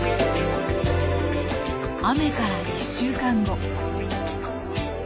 雨から１週間後。